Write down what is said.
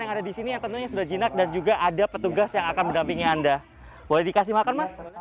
yang ada di sini yang tentunya sudah jinak dan juga ada petugas yang akan menampingi anda boleh dikasih makan mas